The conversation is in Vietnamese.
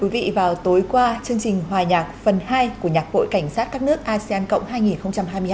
phần hai của nhạc hội cảnh sát các nước asean cộng hai nghìn hai mươi hai